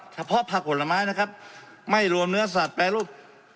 เฉพาะผักผลไม้นะครับไม่รวมเนื้อสัตว์แปรรูป